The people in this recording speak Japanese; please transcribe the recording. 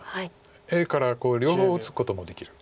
Ａから両方打つこともできる。